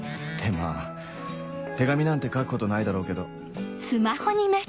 まぁ手紙なんて書くことないだろうけど